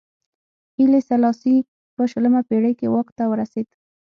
هیلي سلاسي په شلمه پېړۍ کې واک ته ورسېد.